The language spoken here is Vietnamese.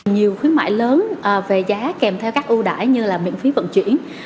nhiều khuyến mại lớn về giá kèm theo các ưu đải như là miễn phí vận chuyển